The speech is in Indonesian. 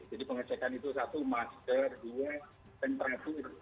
jadi pengecekan itu satu masker dua temperatur